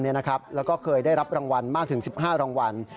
แล้วก็เคยได้รับรางวัลมากถึง๑๕รางวัล